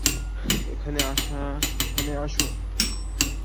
এখানে আসো এখানে আসো।